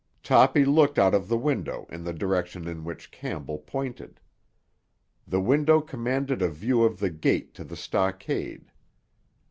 Toppy looked out of the window in the direction in which Campbell pointed. The window commanded a view of the gate to the stockade.